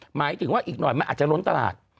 หมายถึงว่าอีกหน่อยมันอาจจะล้นตลาด